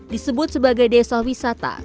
disebut sebagai desa wisata